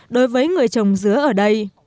đối với người trồng dứa ở đây